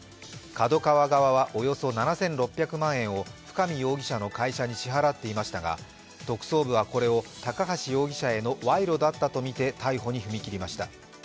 ＫＡＤＯＫＡＷＡ側はおよそ７６００万円を深見容疑者の会社に支払っていましたが特捜部はこれを、高橋容疑者への賄賂だったとみて逮捕に踏み切りました。